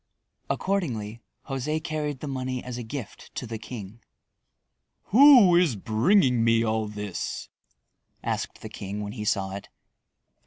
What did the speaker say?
Accordingly, José carried the money as a gift to the king. "Who is bringing me all this?" asked the king when he saw it.